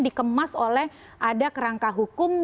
dikemas oleh ada kerangka hukum